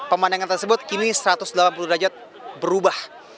pemandangan tersebut kini satu ratus delapan puluh derajat berubah